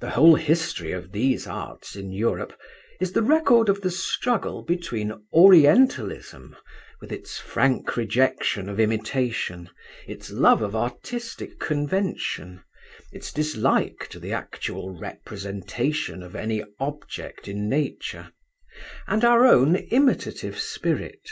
The whole history of these arts in Europe is the record of the struggle between Orientalism, with its frank rejection of imitation, its love of artistic convention, its dislike to the actual representation of any object in Nature, and our own imitative spirit.